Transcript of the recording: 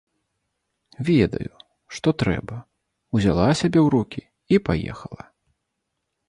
Ведаю, што трэба, узяла сябе ў рукі і паехала.